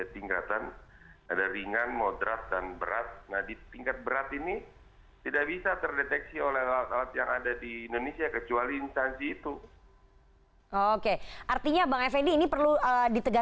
tidak ada yang saya